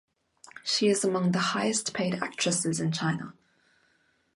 She is among the highest paid actresses in China.